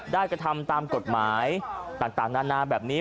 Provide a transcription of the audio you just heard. กระทำตามกฎหมายต่างนานาแบบนี้